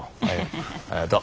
ありがとう。